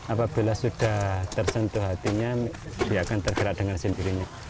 apabila sudah tersentuh hatinya dia akan tergerak dengan sendirinya